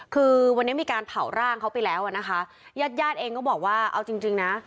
คือวันนี้มีการเผาร่างเขาไปแล้วอ่ะนะคะญาติญาติเองก็บอกว่าเอาจริงจริงนะ